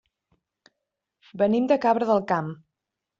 Venim de Cabra del Camp.